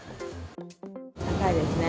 高いですね。